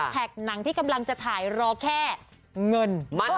หนังที่กำลังจะถ่ายรอแค่เงิน